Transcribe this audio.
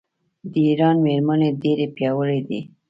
د ایران میرمنې ډیرې پیاوړې دي.